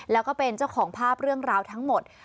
แล้วก็เป็นเจ้าของภาพเรื่องราวทั้งหมด